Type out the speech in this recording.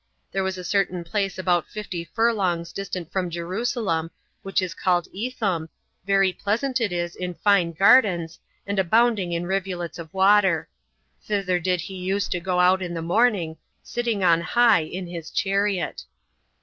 There was a certain place about fifty furlongs distant from Jerusalem, which is called Etham, very pleasant it is in fine gardens, and abounding in rivulets of water; 18 thither did he use to go out in the morning, sitting on high [in his chariot.